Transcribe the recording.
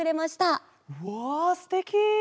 わすてき！